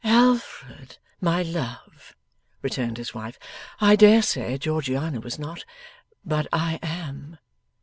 'Alfred, my love,' returned his wife, 'I dare say Georgiana was not, but I am.